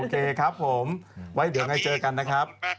เคครับผมไว้เดี๋ยวไงเจอกันนะครับ